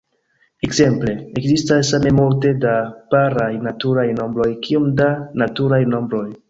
Ekzemple, ekzistas same multe da paraj naturaj nombroj kiom da naturaj nombroj.